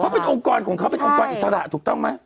เขาเป็นองค์กรของเขาเป็นองค์กรอิสระถูกต้องไหม